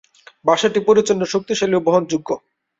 ভাষাটি পরিচ্ছন্ন, শক্তিশালী ও বহনযোগ্য।